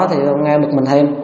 thì ông nghe bực mình thêm